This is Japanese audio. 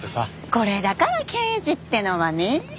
これだから刑事ってのはねえ。